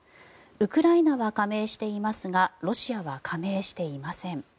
ウクライナは加盟していますがロシアは加盟していません。